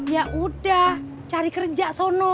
yaudah cari kerja sono